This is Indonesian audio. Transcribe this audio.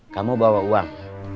kamu bawa uang